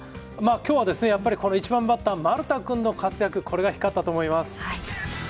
きょうは１番バッターの丸田君の活躍、これが光ったと思います。